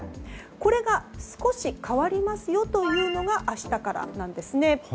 これが少し変わりますよというのが明日からなんですね。